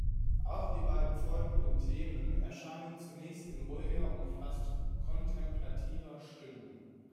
Auch die beiden folgenden Themen erscheinen zunächst in ruhiger und fast kontemplativer Stimmung.